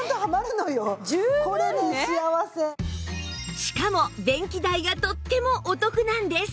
しかも電気代がとってもお得なんです